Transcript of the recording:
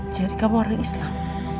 jadi kamu orang islam